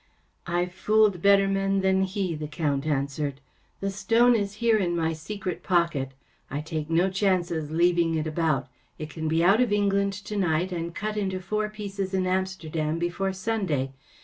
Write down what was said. ‚ÄĚ " I’ve fooled better men than he,‚ÄĚ the Count answered. ‚ÄĚ The stone is here in my secret pocket. I take no chances leaving it about. It can be out of England to night and cut into four pieces in Amsterdam before Sunday.